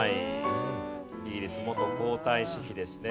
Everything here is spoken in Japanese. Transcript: イギリス元皇太子妃ですね。